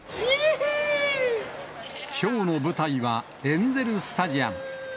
きょうの舞台は、エンゼルスタジアム。